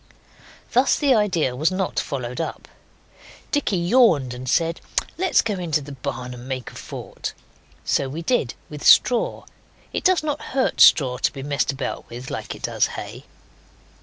Thus the idea was not followed up. Dicky yawned and said, 'Let's go into the barn and make a fort.' So we did, with straw. It does not hurt straw to be messed about with like it does hay.